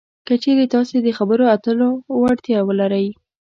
که چېرې تاسې د خبرو اترو وړتیا ولرئ